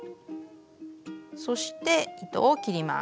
そして糸を切ります。